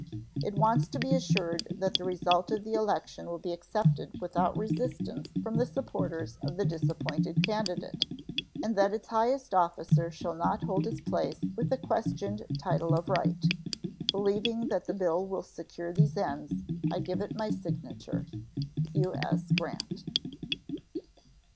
It wants to be assured that the result of the election will be accepted without resistance from the supporters of the disappointed candidate, and that its highest officer shall not hold his place with a questioned title of right. Believing that the bill will secure these ends, I give it my signature. U.S. GRANT.